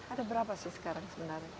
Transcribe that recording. ada berapa sih sekarang sebenarnya